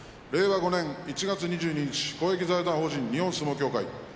５年１月２２日公益財団法人日本相撲協会